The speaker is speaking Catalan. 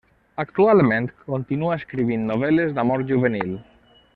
Actualment, continua escrivint novel·les d’amor juvenil.